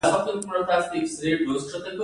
کوم شرایط او کوم صورت ورته اړین دی؟